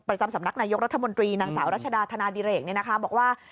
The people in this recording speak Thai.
สำนักนายกรัฐมนตรีนางสาวรัชดาธนาดิเรกบอกว่า